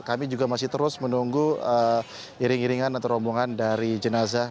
kami juga masih terus menunggu iring iringan atau rombongan dari jenazah